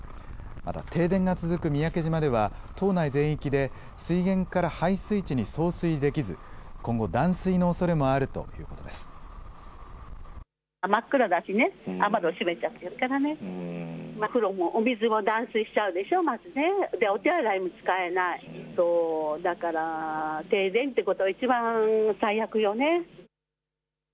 また、停電が続く三宅島では島内全域で水源から配水池に送水できず今後、断水のおそれもあるということです。